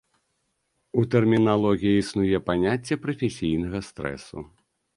У тэрміналогіі існуе паняцце прафесійнага стрэсу.